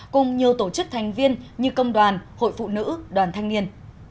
cùng nhiều tổ chức thành viên như công đoàn hội phụ nữ đoàn thanh niên